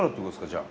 じゃあ。